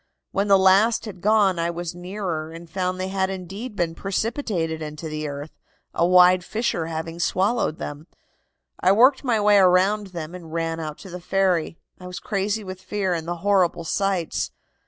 When the last had gone I went nearer and found they had indeed been precipitated into the earth, a wide fissure having swallowed them. I worked my way around them and ran out to the ferry. I was crazy with fear and the horrible sights.